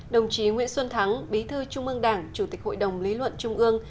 đồng chí nguyễn xuân thắng bí thư trung ương đảng chủ tịch hội đồng lý luận trung ương